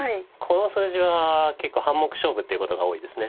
この数字は結構半目勝負っていうことが多いです。